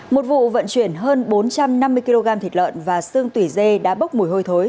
một vụ vận chuyển hơn bốn trăm năm mươi kg thịt lợn và sương tủy dê đã bốc mùi hôi thối